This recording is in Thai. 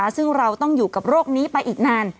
ซึ่งเราต้องอยู่กับโรคนี้ไปอีกนาน